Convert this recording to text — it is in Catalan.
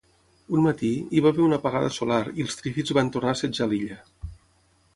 Un matí, hi va haver una apagada solar i els trífids van tornar a assetjar la illa.